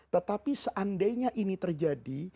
tetapi seandainya ini terjadi